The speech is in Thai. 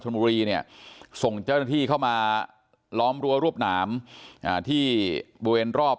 ธรรมบุรีเนี่ยส่งเจ้าน้ำที่เข้ามาล้อมรั้วรวบหนามที่บุญรอบ